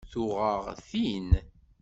Tuɣ-aɣ din.